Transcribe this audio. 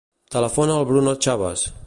Telefona al Bruno Chavez.